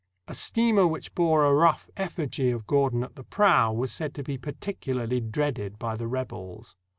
A steamer which bore a rough effigy of Gordon at the prow was said to be particularly dreaded by the rqbels.